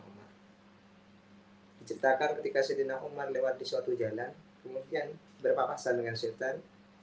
hai diceritakan ketika sayyidina umar lewat di suatu jalan kemudian berpapasan dengan syaitan